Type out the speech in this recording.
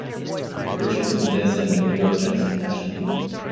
Richardson was then signed by the New York Giants of the National League.